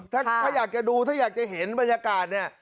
ถ้าอยากจะดูถ้าอยากจะเห็นบรรยากาศเนี่ย